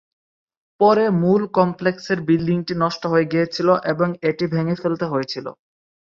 পরে মূল কমপ্লেক্সের বিল্ডিংটি নষ্ট হয়ে গিয়েছিল এবং এটি ভেঙে ফেলতে হয়েছিল।